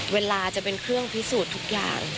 เวลาจะเป็นเครื่องพิสูจน์ทุกอย่าง